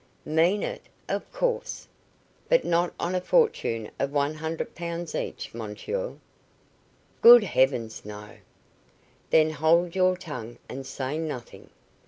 "Mean it? Of course." "But not on a fortune of one hundred pounds each, mon cher." "Good Heavens! No." "Then hold your tongue, and say nothing."